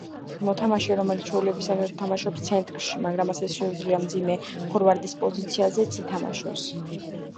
მოთამაშე რომელიც ჩვეულებრისამებრ თამაშობს ცენტრში, მაგრამ ასევე შეუძლია მძიმე ფორვარდის პოზიციაზეც ითამაშოს.